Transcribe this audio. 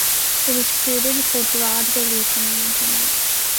It was created for broad release on the Internet.